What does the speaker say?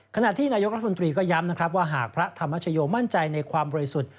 ขณะที่นายกรัฐมนตรีก็ย้ำนะครับว่าหากพระธรรมชโยมั่นใจในความบริสุทธิ์